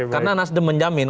karena nasdem menjamin